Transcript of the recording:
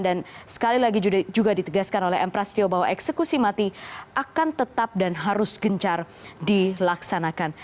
dan sekali lagi juga ditegaskan oleh m prasetyo bahwa eksekusi mati akan tetap dan harus gencar dilaksanakan